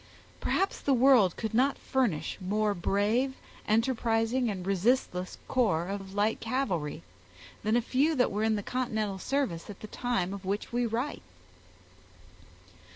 Perhaps the world could not furnish more brave, enterprising, and resistless corps of light cavalry, than a few that were in the continental service at the time of which we write.